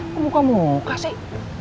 kok muka muka sih